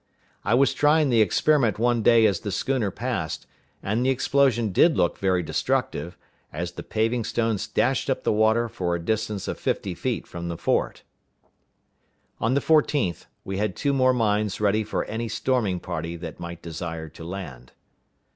I was trying the experiment one day as the schooner passed, and the explosion did look very destructive, as the paving stones dashed up the water for a distance of fifty feet from the fort. On the 14th, we had two more mines ready for any storming party that might desire to land.